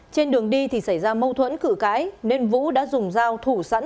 trên đường đi thì xảy ra mâu thuẫn cự cãi nên vũ đã dùng dao thủ sẵn